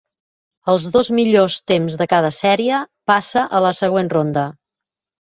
Els dos millors temps de cada sèrie passa a la següent ronda.